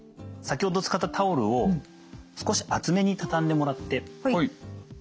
先ほど使ったタオルを少し厚めにたたんでもらって。